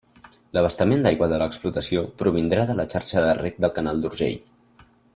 L'abastament d'aigua de l'explotació provindrà de la xarxa de reg del canal d'Urgell.